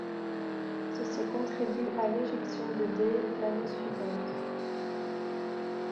Ceci contribue à l'éjection de Day l'année suivante.